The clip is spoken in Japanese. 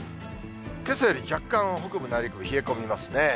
けさより若干北部、内陸部冷え込みますね。